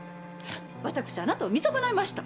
私あなたを見損ないました。